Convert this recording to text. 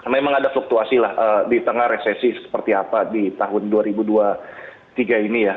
memang ada fluktuasi lah di tengah resesi seperti apa di tahun dua ribu dua puluh tiga ini ya